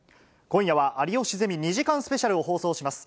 今夜は有吉ゼミ２時間スペシャルを放送します。